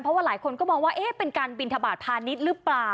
เพราะว่าหลายคนก็มองว่าเป็นการบินทบาทพาณิชย์หรือเปล่า